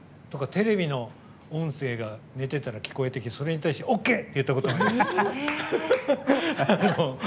テレビの音声が寝てたら聞こえてきてそれに対して「ＯＫ！」って言ったことあります。